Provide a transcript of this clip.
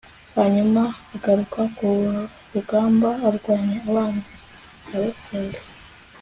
hanyuma agaruka ku rugamba arwanya abanzi arabatsinda